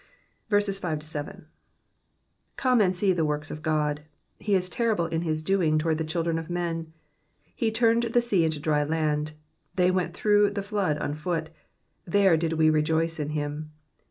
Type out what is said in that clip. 5 Come and see the works of God : Ae is terrible in his doing toward the children of men. 6 He turned the sea into dry land: they went through the flood on foot : there did we rejoice in him.